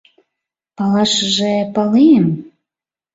— Палашыже палем...